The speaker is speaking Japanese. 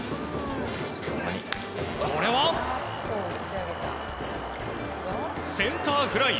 これは、センターフライ。